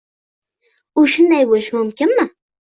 U shunday bo‘lish mumkinmi?!